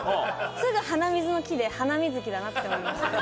すぐ鼻水の木で『ハナミズキ』だなって思いました。